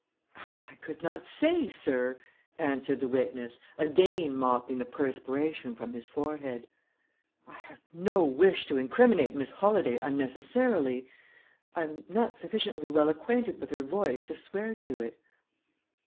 "I could not say, sir," answered the witness, again mopping the perspiration from his forehead. "I have no wish to incriminate Miss Holladay unnecessarily. I'm not sufficiently well acquainted with her voice to swear to it."